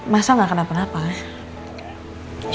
masa lo udah di jalan pulang